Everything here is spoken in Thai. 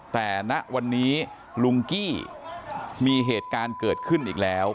แต่ณวันนี้ลุงกี้มีเหตุการณ์เกิดขึ้นอีกแล้ว